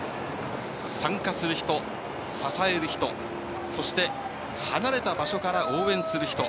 参加する人、支える人そして、離れた場所から応援する人。